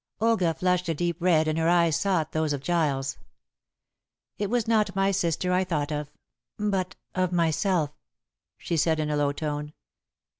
Olga flushed a deep red and her eyes sought those of Giles. "It was not my sister I thought of, but of myself," she said in a low tone.